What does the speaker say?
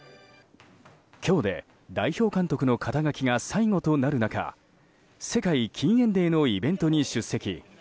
今日で、代表監督の肩書が最後となる中世界禁煙デーのイベントに出席。